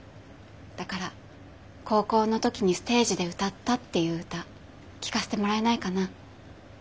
だから高校の時にステージで歌ったっていう歌聴かせてもらえないかな。